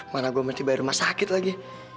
mana gue mertiba rumah sakit lagi